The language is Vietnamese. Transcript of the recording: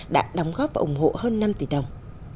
đã đóng góp và ủng hộ hơn năm tỷ đồng